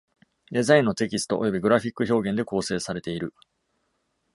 デザインのテキストおよびグラフィック表現で構成されている。